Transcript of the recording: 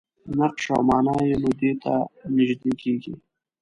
نقش او معنا یې نو ته نژدې کېږي.